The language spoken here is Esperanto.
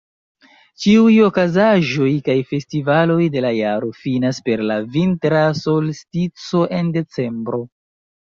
Ĉiuj okazaĵoj kaj festivaloj de la jaro finas per la Vintra solstico en Decembro.